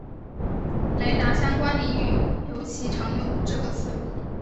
雷达相关领域尤其常用这个词。